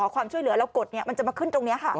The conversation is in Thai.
ความช่วยเหลือเรากดมันจะมาขึ้นตรงนี้ค่ะ